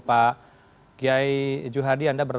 pak kiai juhadi anda